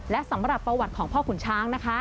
และสำหรับประวัติของพ่อขุนช้างนะคะ